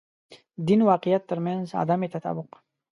دین واقعیت تر منځ عدم تطابق.